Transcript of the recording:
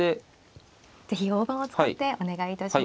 是非大盤を使ってお願いいたします。